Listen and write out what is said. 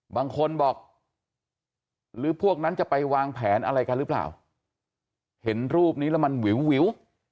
บางคนบอกหรือพวกนั้นจะไปวางแผนอะไรกันหรือเปล่าเห็นรูปนี้แล้วมันวิว